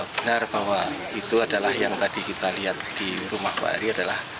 benar bahwa itu adalah yang tadi kita lihat di rumah pak ari adalah